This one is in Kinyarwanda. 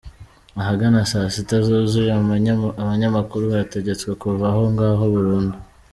Ahagana saa sita zuzuye abanyamakuru bategetswe kuva aho ngaho burundu.